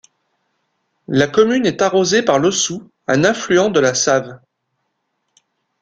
La commune est arrosée par l'Aussoue un affluent de la Save.